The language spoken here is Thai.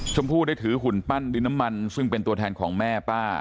ชมพู่ได้ถือหุ่นปั้นดินน้ำมันซึ่งเป็นตัวแทนของแม่ป้า